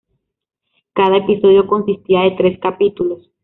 Cada episodio consistía de tres capítulos.